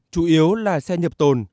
chủ yếu là xe nhập tồn